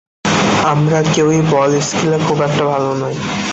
আমরা কেউই বল স্কিলে খুব একটা ভালো নই।